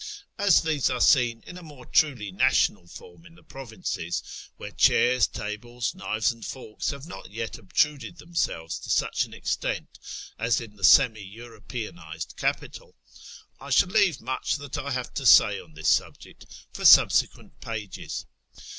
As these are seen in a more truly national form in the provinces, where chairs, tables, knives, and forks have not yet ob truded themselves to such an extent as in the semi Europeanised capital, I shall leave much that I have to say on this subject for subsequent pages.